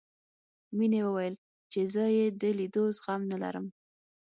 مينې وويل ځکه چې زه يې د ليدو زغم نه لرم.